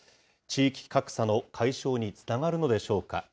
地域格差の解消につながるのでしょうか。